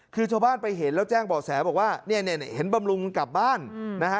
คือชาวบ้านไปเห็นแล้วแจ้งบ่อแสบอกว่าเนี่ยเห็นบำรุงกลับบ้านนะฮะ